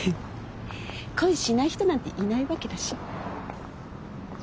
恋しない人なんていないわけだし。